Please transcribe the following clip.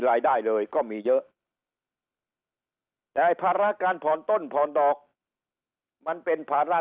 รายได้เลยก็มีเยอะแต่ภาระการผ่อนต้นผ่อนดอกมันเป็นภาระ